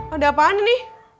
ada apaan ini